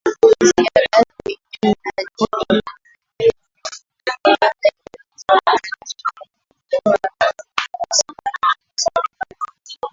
Ziara yake inajiri wiki mbili baada ya haki za binadamu kutoa ripoti ikisema kuwa serikali